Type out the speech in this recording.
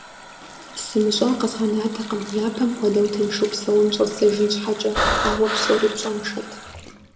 СымыщӀа къэзгъэнатэкъым япэм хуэдэу тыншу псэун щӀэздзэжын щхьэкӀэ, ауэ псори пщӀэншэт.